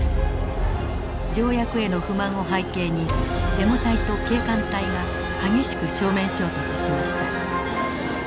条約への不満を背景にデモ隊と警官隊が激しく正面衝突しました。